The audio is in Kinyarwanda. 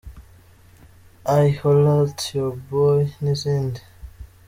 I, ’Holla at your boy’ n’izindi.